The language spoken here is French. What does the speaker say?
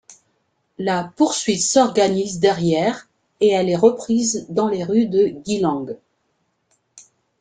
La poursuite s'organise derrière et elle est reprise dans les rues de Geelong.